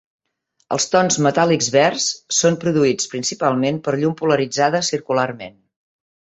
Els tons metàl·lics verds són produïts principalment per llum polaritzada circularment.